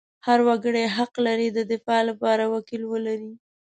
هر وګړی حق لري د دفاع لپاره وکیل ولري.